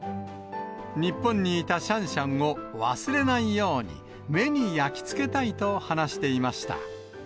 日本にいたシャンシャンを忘れないように、目に焼き付けたいと話していました。